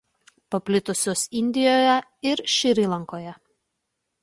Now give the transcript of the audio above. Paplitusios Indijoje ir Šri Lankoje.